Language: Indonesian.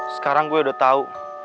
sekarang gue udah tau